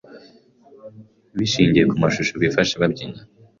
bishingiye ku mashusho bifashe babyina